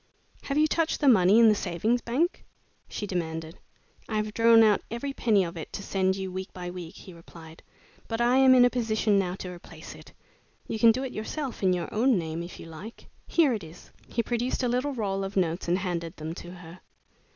"Have you touched the money in the Savings Bank?" she demanded. "I have drawn out every penny of it to send you week by week," he replied, "but I am in a position now to replace it. You can do it yourself, in your own name, if you like. Here it is." He produced a little roll of notes and handed them to her.